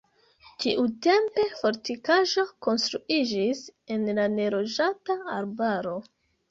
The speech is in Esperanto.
Tiutempe fortikaĵo konstruiĝis en la neloĝata arbaro.